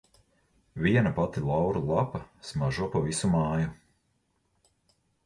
Viena pati lauru lapa smaržo pa visu māju.